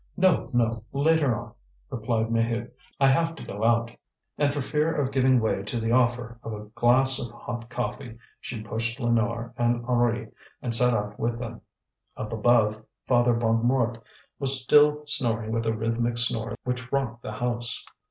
"No, no! later on," replied Maheude. "I have to go out." And for fear of giving way to the offer of a glass of hot coffee she pushed Lénore and Henri, and set out with them. Up above, Father Bonnemort was still snoring with a rhythmic snore which rocked the house.